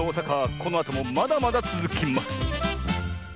このあともまだまだつづきます！